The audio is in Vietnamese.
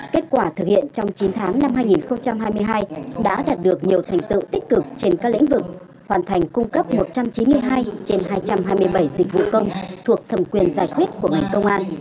kết quả thực hiện trong chín tháng năm hai nghìn hai mươi hai đã đạt được nhiều thành tựu tích cực trên các lĩnh vực hoàn thành cung cấp một trăm chín mươi hai trên hai trăm hai mươi bảy dịch vụ công thuộc thẩm quyền giải quyết của ngành công an